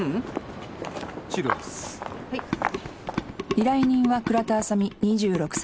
「依頼人は倉田麻美２６歳。